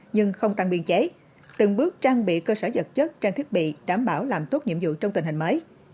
nhưng không tăng biên chế từng bước trang bị cơ sở vật chất trang thiết bị đảm bảo làm tốt nhiệm vụ trong tình hình mới